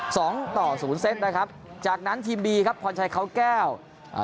สองต่อศูนย์เซตนะครับจากนั้นทีมบีครับพรชัยเขาแก้วอ่า